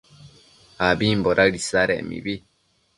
abimbo daëd isadec mibi